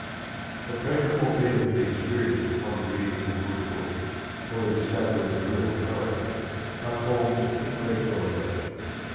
The pleasurable feelings we experience upon the reading of a good book, or the discovery of real poetry, are forms of intellectual emotion.